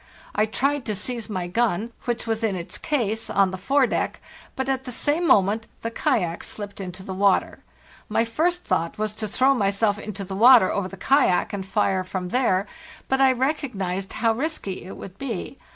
I tried to seize my gun, which was in its case on the fore deck, but at the same moment the kayak slipped into the water. My first thought was to throw myself into the water over the kayak and fire from there, but I recognized how risky it would be.